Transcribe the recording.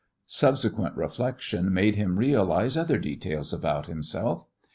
Subsequent reflection made him realise other details about himself.